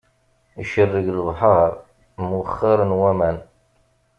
Icerreg lebḥeṛ, mwexxaṛen waman.